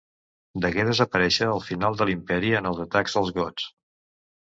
Degué desaparèixer al final de l'Imperi en els atacs dels gots.